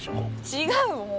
違うもう。